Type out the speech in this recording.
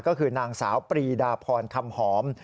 ก็คือนางสาวปรีดาพรคำหอม